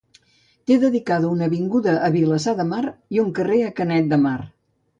Té dedicada una avinguda a Vilassar de Mar i un carrer a Canet de Mar.